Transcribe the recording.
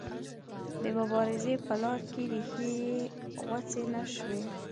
د مبارزې په لاره کې ریښې یې غوڅې نه شوې.